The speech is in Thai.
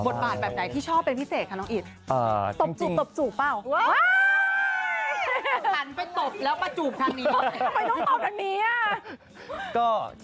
บทบาทแบบไหนที่ชอบเป็นพิเศษคะข้าน้องอิส